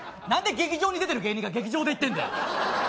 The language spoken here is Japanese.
なんで劇場に出てる芸人が劇場で言ってんだ。